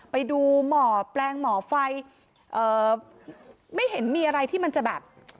ไปดูหมอแปลงหมอไฟไม่เห็นมีอะไรที่มันจะแบบ